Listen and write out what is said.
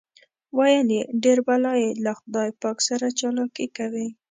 ویل یې ډېر بلا یې له خدای پاک سره چالاکي کوي.